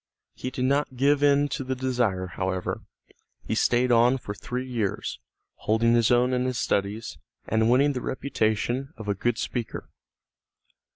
He did not give in to the desire, however. He stayed on for three years, holding his own in his studies, and winning the reputation of a good speaker.